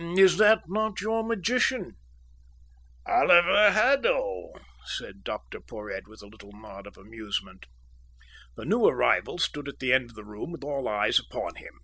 "Is not that your magician?" "Oliver Haddo," said Dr Porhoët, with a little nod of amusement. The new arrival stood at the end of the room with all eyes upon him.